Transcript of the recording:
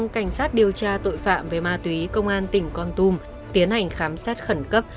cảnh sát điều tra tội phạm về ma tùy công an tỉnh con tùm tiến hành khám sát khẩn cấp